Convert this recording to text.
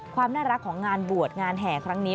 ความน่ารักของงานบวชงานแห่ครั้งนี้